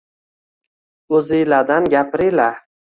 O’ziladan gapiriyla.